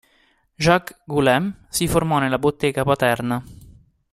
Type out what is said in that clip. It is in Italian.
Jacques-Guillaume si formò nella bottega paterna.